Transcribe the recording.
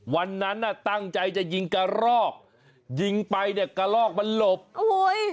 วันนั้นน่ะตั้งใจจะยิงกระรอกยิงไปเนี่ยกระลอกมันหลบโอ้โห